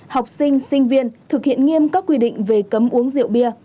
học sinh sinh viên thực hiện nghiêm các quy định về cấm uống rượu bia